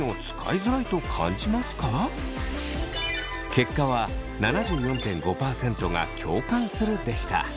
結果は７４．５％が共感するでした。